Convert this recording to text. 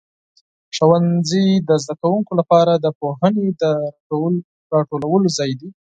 ښوونځي د زده کوونکو لپاره د پوهنې د راټولو ځای دی.